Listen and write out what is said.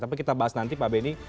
tapi kita bahas nanti pak benny